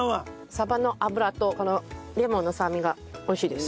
サバの脂とレモンの酸味が美味しいです。